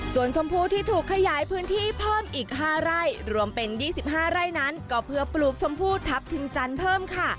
ส่วนชมพูที่ถูกขยายพื้นที่เพิ่มอีก๕ไร่รวมเป็น๒๕ไร่นั้นก็เพื่อปลูกชมพูทัพทิมจันทร์เพิ่มค่ะ